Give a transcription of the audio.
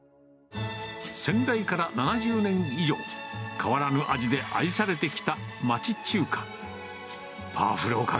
先代から７０年以上、変わらぬ味で愛されてきた町中華。